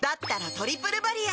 「トリプルバリア」